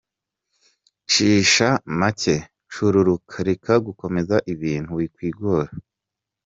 Cisha make, Cururuka, reka gukomeza ibintu, wikwigora.